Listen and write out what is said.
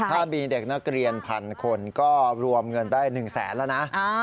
ถ้ามีเด็กนักเรียน๑๐๐๐คนก็รวมเงินได้๑๐๐๐๐๐บาทแล้วนะ